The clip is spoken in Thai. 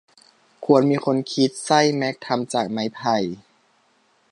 ควรมีคนคิดไส้แม็กทำจากไม้ไผ่